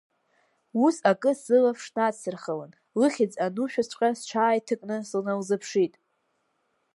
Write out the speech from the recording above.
Ус, акы сылаԥш надсырхалан, лыхьӡ анушәаҵәҟьа, сҽааиҭакны сналзыԥшит.